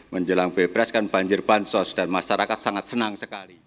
menjelang bebas kan banjir bansos dan masyarakat sangat senang sekali